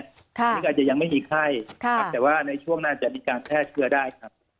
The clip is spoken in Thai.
ซึ่งอาจจะยังไม่มีไข้แต่ว่าในช่วงหน้าจะมีการแพร่เชื้อได้ครับ